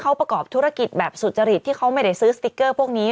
เขาประกอบธุรกิจแบบสุจริตที่เขาไม่ได้ซื้อสติ๊กเกอร์พวกนี้